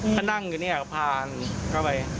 เพราะนั่งอยู่นั่นก็ผ่านไป